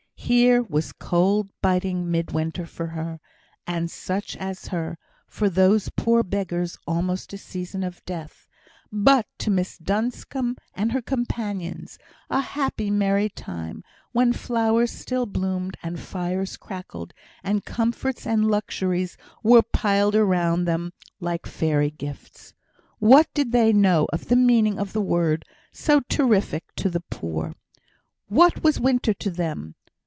Here was cold, biting mid winter for her, and such as her for those poor beggars almost a season of death; but to Miss Duncombe and her companions, a happy, merry time, when flowers still bloomed, and fires crackled, and comforts and luxuries were piled around them like fairy gifts. What did they know of the meaning of the word, so terrific to the poor? What was winter to them?